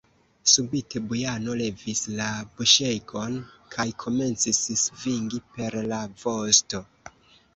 Subite Bujano levis la buŝegon kaj komencis svingi per la vosto.